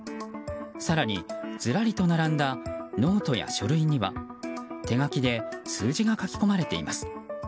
更にずらりと並んだノートや書類には手書きで数字が書き込まれています。